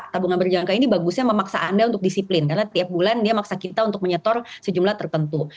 tabungan berjangka ini bagusnya memaksa anda untuk disiplin karena tiap bulan dia maksa kita untuk menyetor sejumlah tertentu